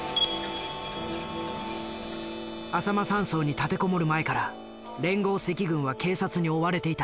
あさま山荘に立てこもる前から連合赤軍は警察に追われていた。